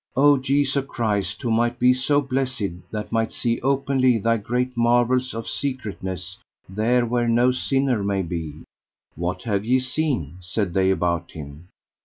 O Jesu Christ, who might be so blessed that might see openly thy great marvels of secretness there where no sinner may be! What have ye seen? said they about him.